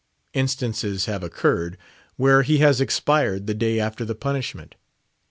Instances have occurred where he has expired the day after the punishment.